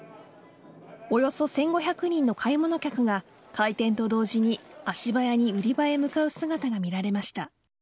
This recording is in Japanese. およそ１５００人の買い物客が開店と同時に足早に売り場へ向かう姿が見られました。